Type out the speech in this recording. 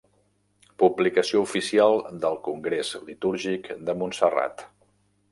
Publicació oficial del Congrés Litúrgic de Montserrat.